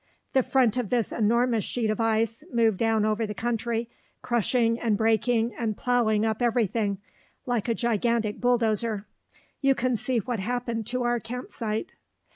The front of this enormous sheet of ice moved down over the country, crushing and breaking and plowing up everything, like a gigantic bulldozer. You can see what happened to our camp site.